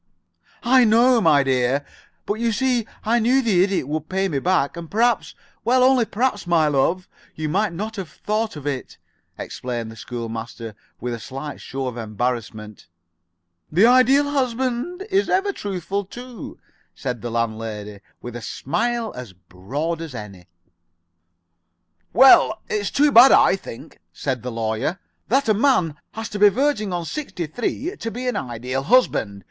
"I know, my dear, but you see I knew the Idiot would pay me back, and perhaps well, only perhaps, my love you might not have thought of it," explained the school master, with a slight show of embarrassment. "The Ideal Husband is ever truthful, too," said the landlady, with a smile as broad as any. "Well, it's too bad, I think," said the Lawyer, "that a man has to be verging on sixty three to be an Ideal Husband.